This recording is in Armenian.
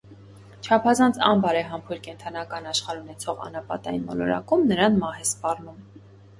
Չափազանց անբարեհամբույր կենդանական աշխարհ ունեցող անապատային մոլորակում նրան մահ է սպառնում։